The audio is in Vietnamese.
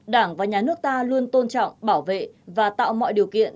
đảng và nhà nước ta luôn tôn trọng bảo vệ và tạo mọi điều kiện